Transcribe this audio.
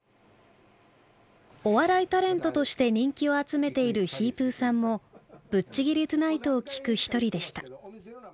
お笑いタレントとして人気を集めているひーぷーさんも「ぶっちぎりトゥナイト」を聞く一人でした。